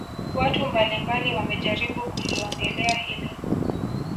Watu mbali mbali wamejaribu kuliongelea hili